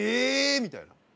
みたいな。